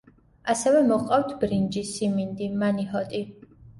ასევე მოჰყავთ ბრინჯი, სიმინდი, მანიჰოტი.